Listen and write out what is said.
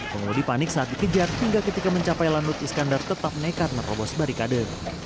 pengemudi panik saat dikejar hingga ketika mencapai lanut iskandar tetap nekat merobos barikade